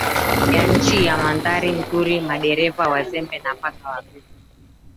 ya nchi ya mandhari nzuri madereva wazembe na paka wavivu